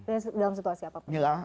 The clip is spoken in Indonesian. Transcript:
dalam situasi apapun